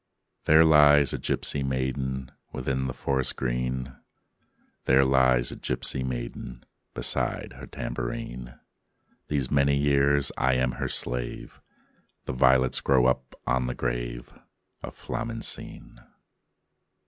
V There lies a gipsy maiden Within the forest green; There lies a gipsy maiden Beside her tambourine: These many years I am her slave The violets grow upon the grave Of Flamencine.